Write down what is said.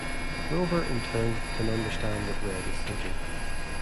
Rover, in turn, can understand what Red is thinking.